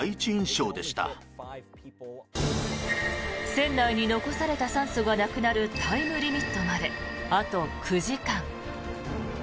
船内に残された酸素がなくなるタイムリミットまであと９時間。